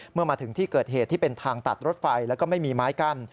เมื่อมาถึงที่เกิดเหตุที่เป็นทางตัดรถไฟแล้วก็ไม่มีไม้กั้น